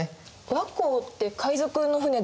倭寇って海賊の船だよね。